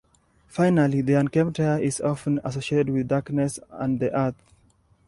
Finally, the unkempt hair is often associated with darkness and the earth.